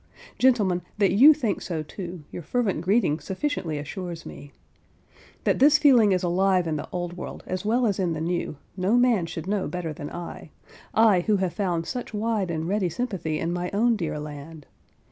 Gentlemen, that you think so too, your fervent greeting sufficiently assures me. That this feeling is alive in the Old World as well as in the New, no man should know better than I—I, who have found such wide and ready sympathy in my own dear land.